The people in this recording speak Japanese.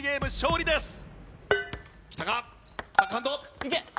いけ！